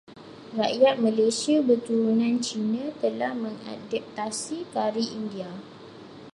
Rakyat Malaysia berketurunan Cina telah mengadaptasi Kari India.